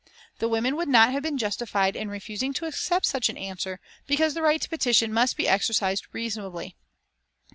The women would not have been justified in refusing to accept such an answer, because the right to petition must be exercised reasonably.